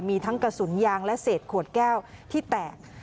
มีทั้งกระสุนยางและเศษขวดแก้วที่แตก